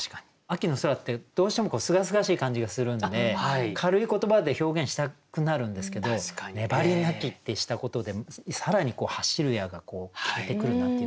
秋の空ってどうしてもすがすがしい感じがするんで軽い言葉で表現したくなるんですけど「ねばりなき」ってしたことで更に「走るや」が効いてくるなっていう気はしますよね。